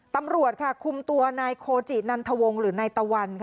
ตำรวจค่ะคุมตัวนายโคจินันทวงหรือนายตะวันค่ะ